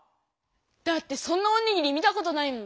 だってそんなおにぎり見たことないもん。